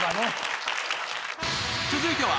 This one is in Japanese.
［続いては］